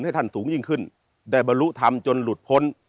ให้ท่านสูงยิ่งขึ้นได้บรรลุธรรมจนหลุดพ้น